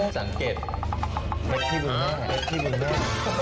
อ๋อสังเกตแม็กที่ลืมหน้าแม็กที่ลืมหน้า